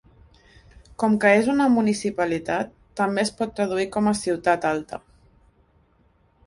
Com que és una municipalitat, també es pot traduir com a "ciutat alta".